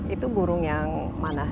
itu burung yang mana